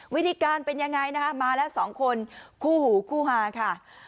วิธีการเป็นยังไงนะคะมาแล้วสองคนคู่หูคู่หาค่ะ